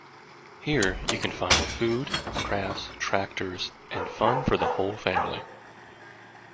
Here you can find food, crafts, tractors, and fun for the whole family.